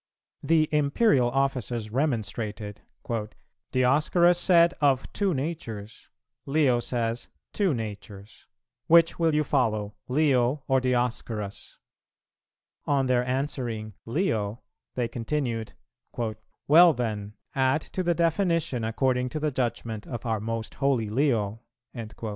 The Imperial officers remonstrated, "Dioscorus said, 'Of two natures;' Leo says, 'Two natures:' which will you follow, Leo or Dioscorus?" On their answering "Leo," they continued, "Well then, add to the definition, according to the judgment of our most holy Leo."